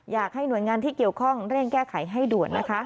อยากให้หน่วยงานที่เกี่ยวข้องเร่งแก้ไขให้ด่วนนะคะ